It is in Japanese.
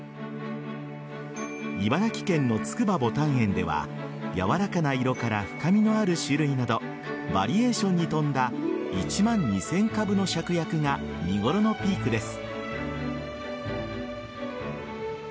茨城県のつくば牡丹園ではやわらかな色から深みのある種類などバリエーションに富んだ１万２０００株のシャクヤクが見頃のピークです。